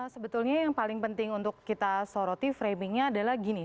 sebetulnya yang paling penting untuk kita soroti framingnya adalah gini